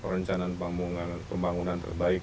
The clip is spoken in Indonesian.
rencana pembangunan terbaik